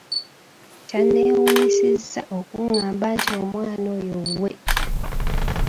Kyannewuunyisizza okuղղamba nti omwana oyo wuwe!